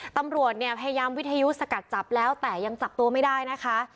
ตำรวจเนี่ยพยายามวิทยุสกัดจับแล้วแต่ยังจับตัวไม่ได้นะคะ